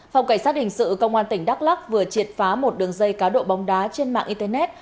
phòng cảnh sát hình sự công an tỉnh đắk lắc vừa triệt phá một đường dây cá độ bóng đá trên mạng internet